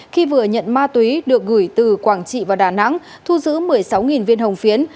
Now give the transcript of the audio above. khi vừa nhận ma túy được gửi từ quảng trị vào đà nẵng thu giữ một mươi sáu viên hồng phiến